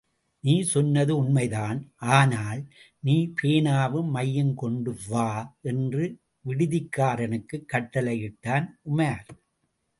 நீ சொன்னது உண்மைதான், ஆனால்... நீ... பேனாவும் மையும் கொண்டு வா! என்று விடுதிக்காரனுக்குக் கட்டடளையிட்டான் உமார்.